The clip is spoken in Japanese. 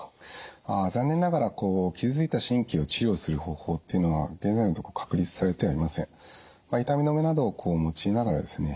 あ残念ながら傷ついた神経を治療する方法っていうのは現在のところ確立されてはいません。まあ痛み止めなどを用いながらですね